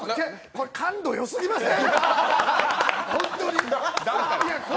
これ、感度よすぎません！？